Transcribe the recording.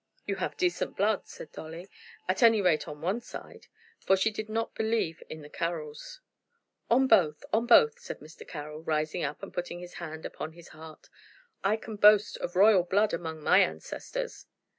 "You have decent blood," said Dolly; "at any rate on one side," for she did not believe in the Carrolls. "On both, on both," said Mr. Carroll, rising up, and putting his hand upon his heart. "I can boast of royal blood among my ancestors."